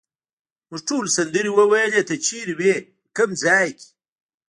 موږ ټولو سندرې وویلې، ته چیرې وې، په کوم ځای کې؟